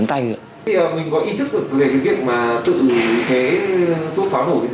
thì thấy rất nguy hiểm